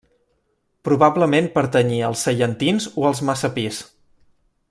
Probablement pertanyia als sallentins o als messapis.